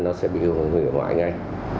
nó sẽ bị hư hưởng người ngoại ngay